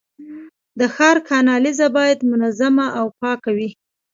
د ښار کانالیزه باید منظمه او پاکه وي.